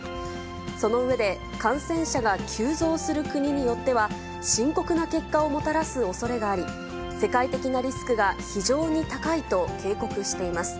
その上で、感染者が急増する国によっては、深刻な結果をもたらすおそれがあり、世界的なリスクが非常に高いと警告しています。